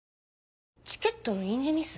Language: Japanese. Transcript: チケットの印字ミス？